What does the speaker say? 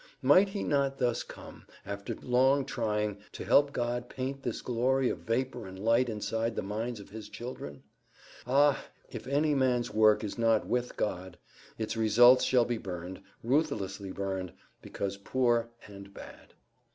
Might he not thus come, after long trying, to help God to paint this glory of vapour and light inside the minds of His children? Ah! if any man's work is not WITH God, its results shall be burned, ruthlessly burned, because poor and bad.